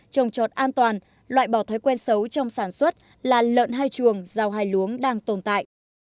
trồng trọt an toàn loại bỏ thói quen xấu trong sản xuất là lợn hai chuồng rau hai luống đang tồn tại